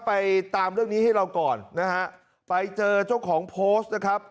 ไปตามเรื่องนี้ให้เราก่อนนะฮะไปเจอเจ้าของโพสต์นะครับ